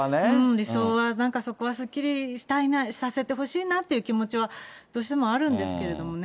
理想は、なんかそこはすっきりさせてほしいなっていう気持ちはどうしてもあるんですけれどもね。